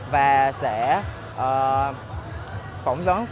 và sẽ phỏng vấn